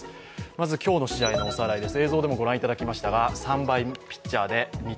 まず今日の試合のおさらいです。